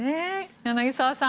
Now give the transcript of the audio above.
柳澤さん